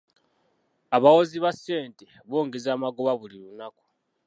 Abawozi ba ssente bongeza amagoba buli lunaku.